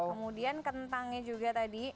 kemudian kentangnya juga tadi